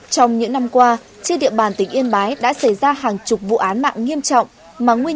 trong những năm qua trên địa bàn tỉnh yên bái đã xảy ra hàng chục vụ án mạng nghiêm trọng mà nguyên